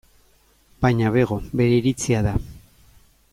Baina bego, bere iritzia da.